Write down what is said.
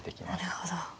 なるほど。